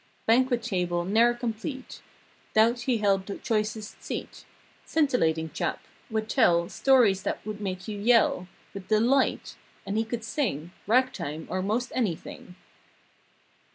Banquet table ne'er complete 'Thout he held the choicest seat. Scintillating chap: would tell Stories that would make you yell With delight. And he could sing Rag time or most anything.